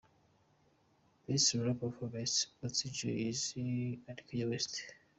Best Rap Performance – Otis, Jay-Z and Kanye West.